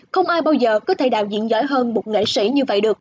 không ai bao giờ có thể đạo diễn giỏi hơn một nghệ sĩ như vậy được